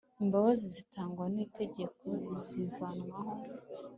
Imbabazi zitangwa n itegeko zivanwaho